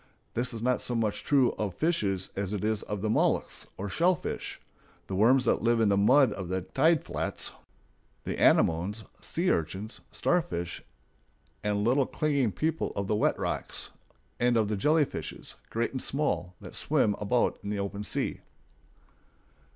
This is not so much true of fishes as it is of the mollusks or "shell fish," the worms that live in the mud of the tide flats, the anemones, sea urchins, starfish and little clinging people of the wet rocks, and of the jellyfishes, great and small, that swim about in the open sea.